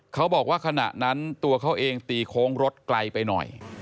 เขาบอกว่าขณะนั้นตัวเขาเองตีโค้งรถไกลไปหน่อย